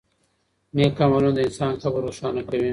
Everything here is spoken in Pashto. نېک عملونه د انسان قبر روښانه کوي.